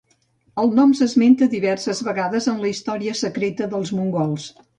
El nom s'esmenta diverses vegades en la història secreta dels mongols.